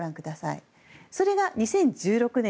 それが２０１６年